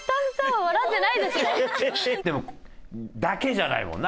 でも「だけ」じゃないもんな。